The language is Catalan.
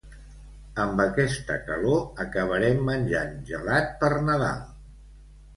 Amb aquesta calor, acabarem menjant gelat per Nadal.